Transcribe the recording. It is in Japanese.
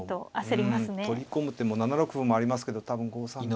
うん取り込む手も７六歩もありますけど多分５三角と。